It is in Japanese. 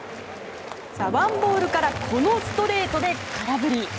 ワンボールからこのストレートで空振り。